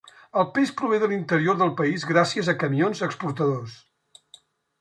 El peix prové de l'interior del país gràcies a camions exportadors.